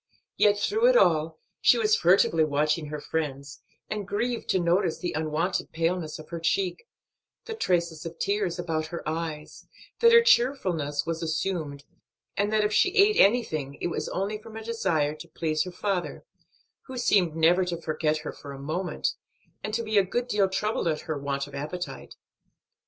Yet through it all she was furtively watching her friends, and grieved to notice the unwonted paleness of her cheek, the traces of tears about her eyes, that her cheerfulness was assumed, and that if she ate anything it was only from a desire to please her father, who seemed never to forget her for a moment, and to be a good deal troubled at her want of appetite.